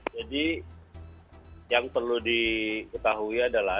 jadi yang perlu diketahui adalah